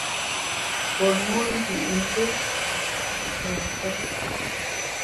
Pe nue mbit njù meshi’ tata.